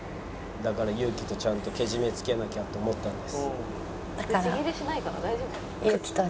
だからユウキとはちゃんとけじめつけないとって思ってたんです。